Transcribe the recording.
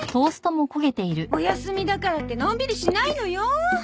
お休みだからってのんびりしないのよ。